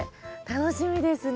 楽しみですね。